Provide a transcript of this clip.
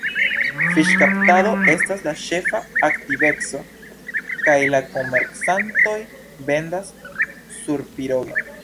Fiŝkaptado estas la ĉefa aktiveco kaj la komercantoj vendas surpiroge.